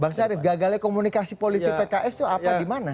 bang syarif gagalnya komunikasi politik pks itu apa di mana